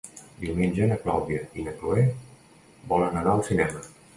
Diumenge na Clàudia i na Cloè volen anar al cinema.